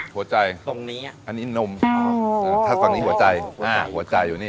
หัวใจอันนี้นมถ้ากรณีหัวใจหัวใจอยู่นี่